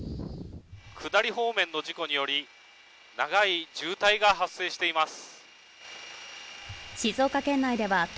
下り方面の事故により長い渋滞が発生しています